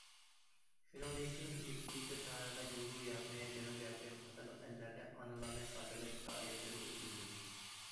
شۇنىڭدىن كېيىن مېكسىكا، كانادا، جۇڭگو، ياپونىيە، جەنۇبىي ئافرىقا قاتارلىق ئەللەردە ئانىلارنى خاتىرىلەش پائالىيەتلىرى ئۆتكۈزۈلىدۇ.